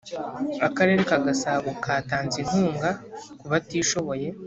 akarere ka gasabo katanze inkunga kubatishoboye